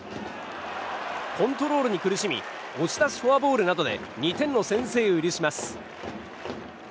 コントロールに苦しみ押し出しフォアボールなどで２点の先制を許します。